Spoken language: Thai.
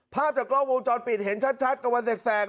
ภาพจากกล้องวงจรปิดเห็นชัดกับวันแสก